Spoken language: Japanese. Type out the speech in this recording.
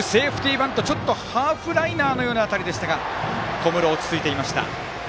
バントちょっとハーフライナーのような当たりでしたが小室、落ち着いていました。